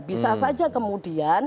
bisa saja kemudian